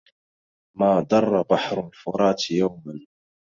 ما ضر بحر الفرات يومـاً